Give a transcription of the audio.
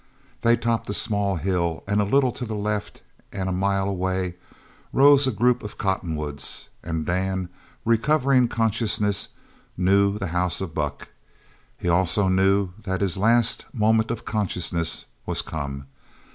They topped a small hill, and a little to the left and a mile away, rose a group of cottonwoods, and Dan, recovering consciousness, knew the house of Buck. He also knew that his last moment of consciousness was come.